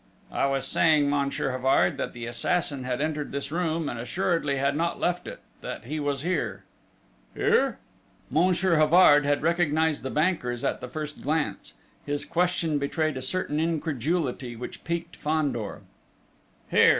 "I was saying, Monsieur Havard, that the assassin had entered this room, and assuredly had not left it that he was here!..." "Here?" Monsieur Havard had recognised the bankers at the first glance.... His question betrayed a certain incredulity which piqued Fandor. "Here!